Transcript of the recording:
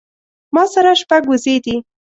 ما سره شپږ وزې دي